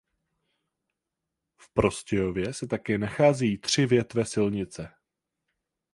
V Prostějově se také nacházejí tři větve silnice.